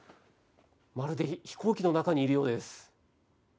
まるで飛行機の中にいるようです。